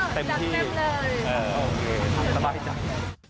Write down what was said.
เต็มที่เออโอเคสมัครพิจารณ์